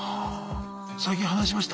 最近話しました？